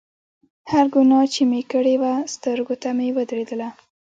هره ګناه چې مې کړې وه سترګو ته مې ودرېدله.